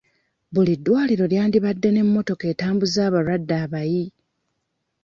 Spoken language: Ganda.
Buli ddwaliro lyandibadde n'emmotoka etambuza abalwadde abayi.